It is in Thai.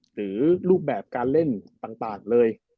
หรือรูปแบบการเล่นต่างเลย